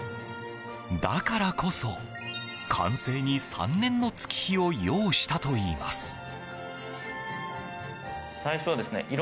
だからこそ、完成に３年の月日を要したといいます。